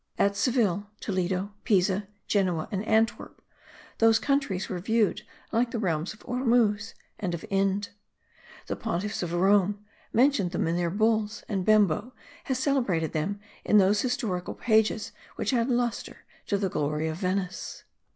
At Seville, Toledo, Pisa, Genoa and Antwerp those countries were viewed like the realms of Ormuz and of Ind. The pontiffs of Rome mentioned them in their bulls; and Bembo has celebrated them in those historical pages which add lustre to the glory of Venice.